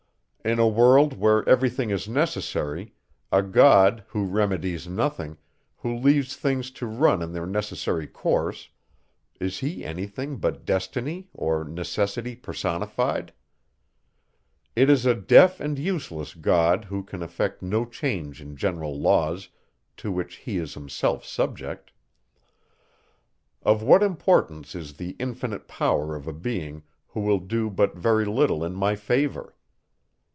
In a world, where every thing is necessary, a God, who remedies nothing, who leaves things to run in their necessary course, is he any thing but destiny, or necessity personified? It is a deaf and useless God, who can effect no change in general laws, to which he is himself subject. Of what importance is the infinite power of a being, who will do but very little in my favour?